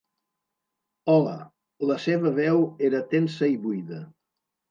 "Hola...". La seva veu era tensa i buida.